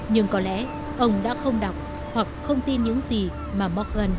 nhưng có lẽ ông đã không đọc hoặc không tin những gì mà morgan robertson đã cảnh báo